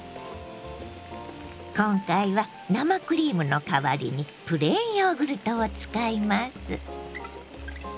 今回は生クリームのかわりにプレーンヨーグルトを使います。